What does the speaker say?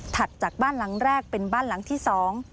จากบ้านหลังแรกเป็นบ้านหลังที่สอง